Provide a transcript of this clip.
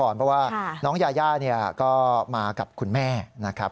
เพราะว่าน้องยาย่าก็มากับคุณแม่นะครับ